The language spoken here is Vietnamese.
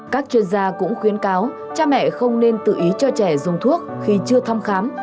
các chuyên gia cũng khuyến cáo cha mẹ không nên tự ý cho trẻ dùng thuốc khi chưa thăm khám